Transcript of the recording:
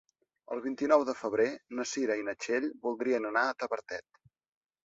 El vint-i-nou de febrer na Cira i na Txell voldrien anar a Tavertet.